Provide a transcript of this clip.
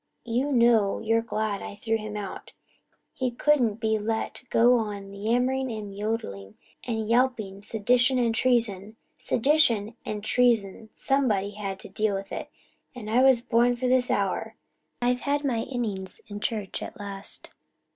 You know you're glad I threw him out he couldn't be let go on yammering and yodelling and yawping sedition and treason. Sedition and treason somebody had to deal with it. I was born for this hour I've had my innings in church at last.